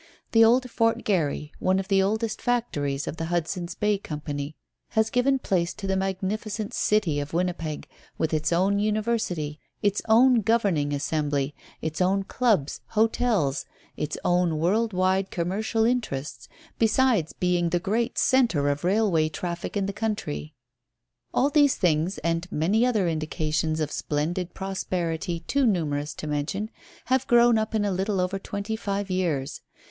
The old Fort Garry, one of the oldest factories of the Hudson's Bay Company, has given place to the magnificent city of Winnipeg, with its own University, its own governing assembly, its own clubs, hotels, its own world wide commercial interests, besides being the great centre of railway traffic in the country. All these things, and many other indications of splendid prosperity too numerous to mention, have grown up in a little over twenty five years.